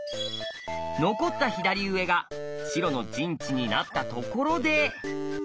残った左上が白の陣地になったところで。